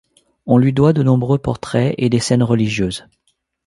On lui doit de nombreux portraits et des scènes religieuses.